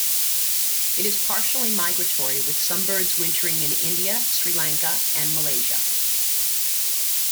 It is partially migratory, with some birds wintering in India, Sri Lanka and Malaysia.